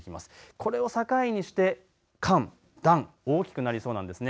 これを境にして寒、暖、大きくなりそうなんですね。